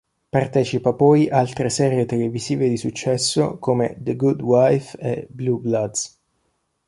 Partecipa poi altre serie televisive di successo come "The Good Wife" e "Blue Bloods".